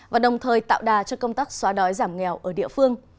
và đồng thời tạo đà cho công tác xóa đói giảm nghèo ở địa phương